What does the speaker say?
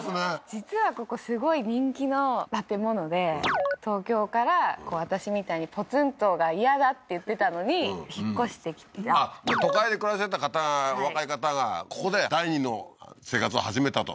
実はここすごい人気の建物で東京から私みたいにポツンとが嫌だって言ってたのに引っ越してきたあっ都会で暮らしてた若い方がここで第２の生活を始めたと？